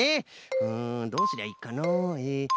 うんどうすりゃいいかのうえ。